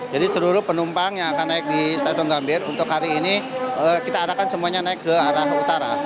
jadi seluruh penumpang yang akan naik di stasiun gambit untuk hari ini kita arahkan semuanya naik ke arah utara